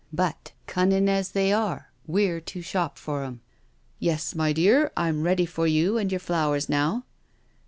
But, cunnin' as they are, we're too sharp for 'em. ..• Yes, my dear, I'm ready for you and your flowers now."